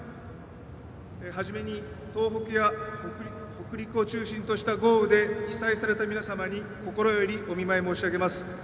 はじめに東北や北陸を中心とした豪雨で被災された皆様に心よりお見舞い申し上げます。